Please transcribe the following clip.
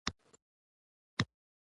توس په اوسني وخت کي زيات ګرم دی.